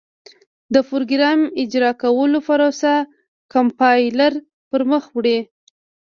د پراګرام اجرا کولو پروسه کمپایلر پر مخ وړي.